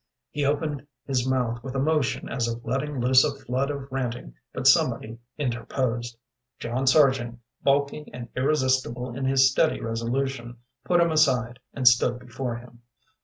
He opened his mouth with a motion as of letting loose a flood of ranting, but somebody interposed. John Sargent, bulky and irresistible in his steady resolution, put him aside and stood before him.